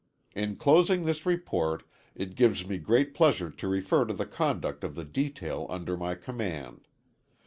In closing this report, it gives me great pleasure to refer to the conduct of the detail under my command.